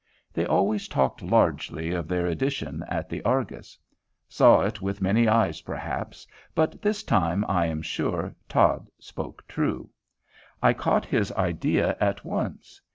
They always talked largely of their edition at the Argus. Saw it with many eyes, perhaps; but this time, I am sure, Todd spoke true. I caught his idea at once.